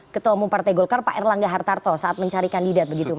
ketua umum partai golkar pak erlangga hartarto saat mencari kandidat begitu pak